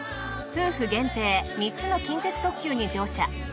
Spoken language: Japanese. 夫婦限定３つの近鉄特急に乗車